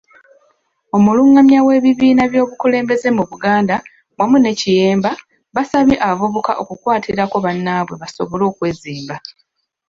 Omulungamya w'ebibiina by'obukulembeze mu Buganda, wamu ne Kiyemba, basabye abavubuka okukwatirako bannaabwe basobole okwezimba.